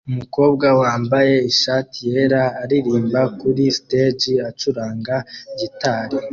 Umukobwa wambaye ishati yera aririmba kuri stage acuranga gitari